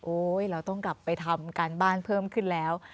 เราต้องกลับไปทำการบ้านเพิ่มขึ้นแล้ว